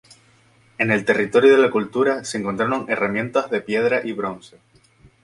En el territorio de la cultura se encontraron herramientas de piedra y bronce.